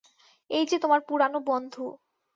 এই যে তোমার পুরানো বন্ধু।